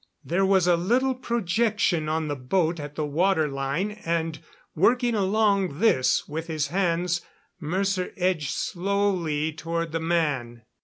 There was a little projection on the boat at the water line, and, working along this with his hands, Mercer edged slowly toward the man.